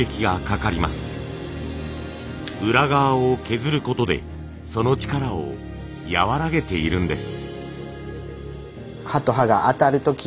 裏側を削ることでその力を和らげているんです。